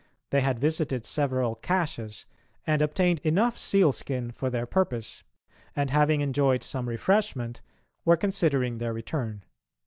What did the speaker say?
They had visited several "caches," and obtained enough seal skin for their purpose, and, having enjoyed some refreshment, were considering their return.